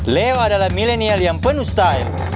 leo adalah milenial yang penuh style